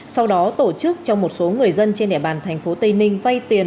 sau đó tổ chức cho một số người dân trên đẻ bàn thành phố tây ninh vay tiền